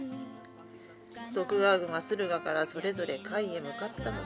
「徳川軍は駿河からそれぞれ甲斐へ向かったのでございます」。